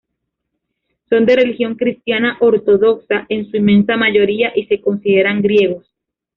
Son de religión cristiana ortodoxa en su inmensa mayoría y se consideran griegos.